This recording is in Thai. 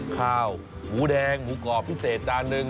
ข้าวหมูแดงหมูกรอบพิเศษจานหนึ่ง